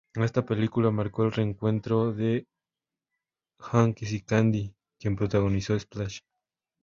Esta película marcó el reencuentro de Hanks y Candy, quien protagonizó "Splash".